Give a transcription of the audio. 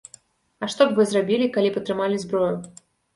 А што б вы зрабілі, калі б атрымалі зброю?